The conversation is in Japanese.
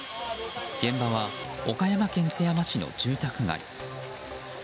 現場は岡山県津山市の住宅街。